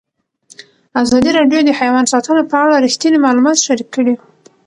ازادي راډیو د حیوان ساتنه په اړه رښتیني معلومات شریک کړي.